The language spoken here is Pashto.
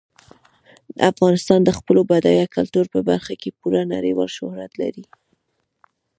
افغانستان د خپل بډایه کلتور په برخه کې پوره نړیوال شهرت لري.